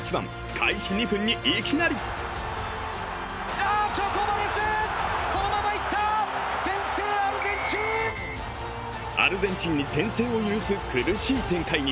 開始２分にいきなりアルゼンチンに先制を許す苦しい展開に。